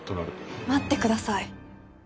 待ってください。